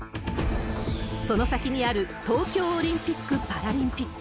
その先にある東京オリンピック・パラリンピック。